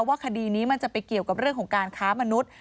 คดีนี้มันจะไปเกี่ยวกับเรื่องของการค้ามนุษย์